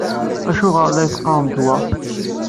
Acuɣer i la teqqaremt wa?